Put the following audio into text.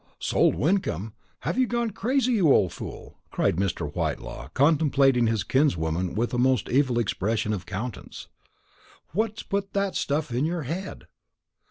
"Sold Wyncomb! Have you gone crazy, you old fool?" cried Mr. Whitelaw, contemplating his kinswoman with a most evil expression of countenance. "What's put that stuff in your head?"